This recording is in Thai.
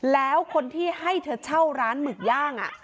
แล้วคนที่ให้เธอเช่าร้านหมึกย่าง